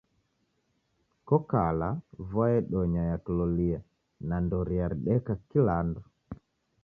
Kokala vua yedonya ya kilolia na ndoria rideka kila andu